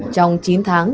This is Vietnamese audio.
trong chín tháng